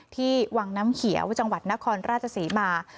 ที่วังน้ำเขียวจังหวัดนครราชศรีมา